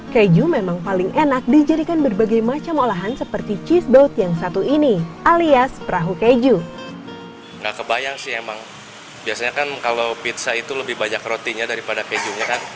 keju memang paling enak dijadikan berbagai macam olahan seperti cheese boat yang satu ini alias perahu keju